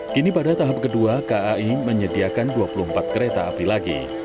kini pada tahap kedua kai menyediakan dua puluh empat kereta api lagi